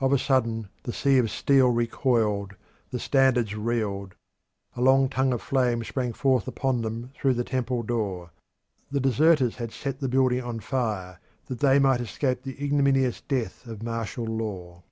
Of a sudden the sea of steel recoiled, the standards reeled; a long tongue of flame sprang forth upon them through the temple door. The deserters had set the building on fire that they might escape the ignominious death of martial law.